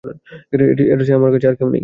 এটা ছাড়া আর আমার কাছে নেই।